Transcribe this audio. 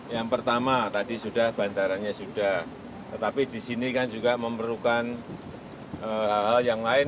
yang pertama tadi sudah bandaranya sudah tetapi di sini kan juga memerlukan hal hal yang lain